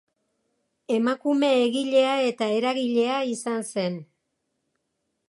Emakume egilea eta eragilea izan zen.